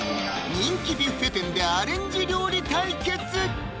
人気ビュッフェ店でアレンジ料理対決！